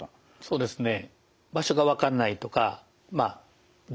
そうですね。